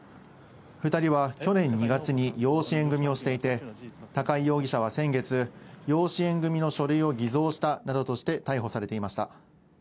２人は去年２月に養子縁組みをしていて、高井容疑者は先月、養子縁組みの書類を偽造したなどとして、逮捕されていました。